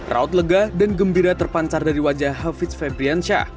raut lega dan gembira terpancar dari wajah havits fabriansyah